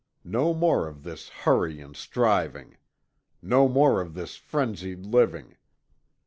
No more of this hurry and striving! No more of this frenzied living!